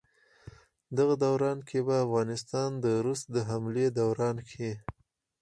دغه دوران کښې په افغانستان د روس د حملې دوران کښې